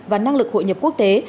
và năng lực hội nhập quốc tế